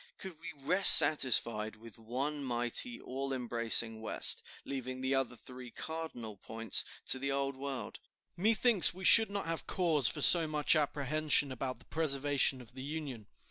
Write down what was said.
Could we rest satisfied with one mighty, all embracing West, leaving the other three cardinal points to the Old World, methinks we should not have cause for so much apprehension about the preservation of the Union."